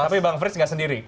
tapi bang frits nggak sendiri